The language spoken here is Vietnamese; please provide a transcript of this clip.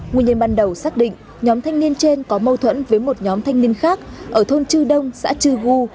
nguyên nhân ban đầu xác định nhóm thanh niên trên có mâu thuẫn với một nhóm thanh niên khác ở thôn chư đông xã chư gu